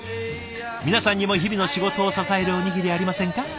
皆さんにも日々の仕事を支えるおにぎりありませんか？